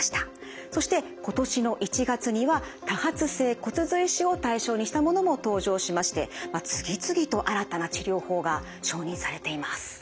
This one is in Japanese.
そして今年の１月には多発性骨髄腫を対象にしたものも登場しまして次々と新たな治療法が承認されています。